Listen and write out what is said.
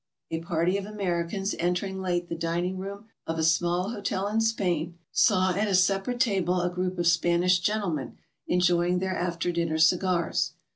A party of Americans, entering late the dining room of a 334 GOING ABROAD? small hotel in Spain, sa,w at a separate table a group of Spanish gentlemen enjoying their after dinner cigars.